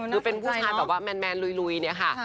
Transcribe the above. คือเป็นผู้ชายแบบว่าแมนลุยเนี่ยค่ะ